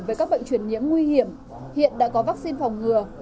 với các bệnh truyền nhiễm nguy hiểm hiện đã có vaccine phòng ngừa